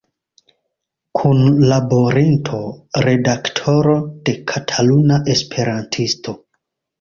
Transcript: Kunlaborinto, redaktoro de "Kataluna Esperantisto".